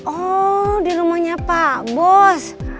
oh di rumahnya pak bos